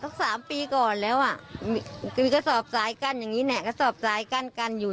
ก็๓ปีก่อนแล้วมีกระสอบทายการอย่างนี้แนนะกระสอบทายการกันอยู่